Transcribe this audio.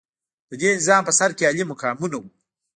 د دې نظام په سر کې عالي مقامونه وو.